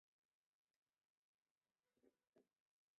藏历木兔年生于四川理塘的达仓家。